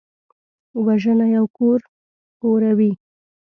وژنه یو کور اوروي